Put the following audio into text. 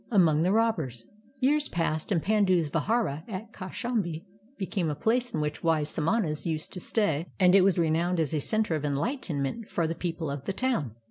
AMONG THE ROBBERS Years passed on, and Pandu's vihdra at Kaushambi became a place in which wise samanas used to stay and it was renowned as a center of erdightenment for the people of the town.